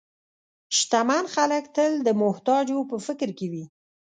شتمن خلک تل د محتاجو په فکر کې وي.